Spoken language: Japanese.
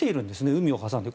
海を挟んで。